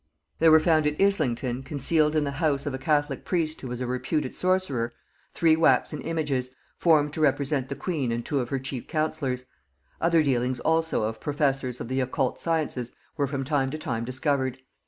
There were found at Islington, concealed in the house of a catholic priest who was a reputed sorcerer, three waxen images, formed to represent the queen and two of her chief counsellors; other dealings also of professors of the occult sciences were from time to time discovered.